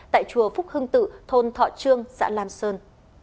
tại chùa phúc hưng tự thôn thọ trương xã lam sơn